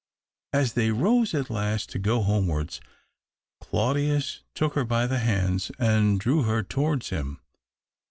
As they rose, at last, to go homewards, Claudius took her by the hands and drew her towards him.